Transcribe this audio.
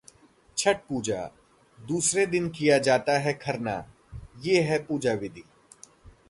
छठ पूजा: दूसरे दिन किया जाता है खरना, ये है पूजा-विधि